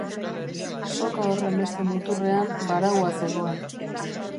Soka horren beste muturrean baraua zegoen.